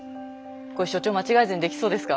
これ所長間違えずにできそうですか？